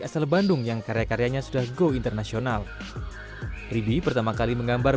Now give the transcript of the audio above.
asal bandung yang karya karyanya sudah go internasional ribi pertama kali menggambar